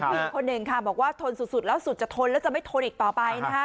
มีคนหนึ่งค่ะบอกว่าทนสุดแล้วสุดจะทนแล้วจะไม่ทนอีกต่อไปนะคะ